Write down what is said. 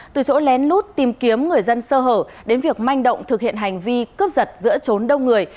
từ chỗ lén lút tìm kiếm người dân sơ hở đến việc manh động thực hiện hành vi cướp giật giữa trốn đông người